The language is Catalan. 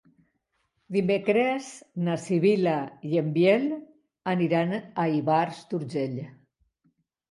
Dimecres na Sibil·la i en Biel aniran a Ivars d'Urgell.